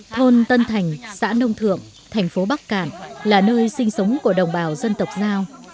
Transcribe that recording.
thôn tân thành xã nông thượng thành phố bắc cạn là nơi sinh sống của đồng bào dân tộc giao